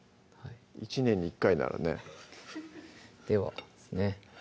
１年に１回ならねではですね